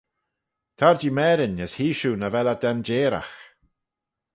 Tar-jee marin as hee shiu nagh vel eh danjeyragh.